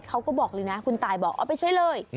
เขาบอกเลยนะคุณตายบอกเอาไปใช้เลย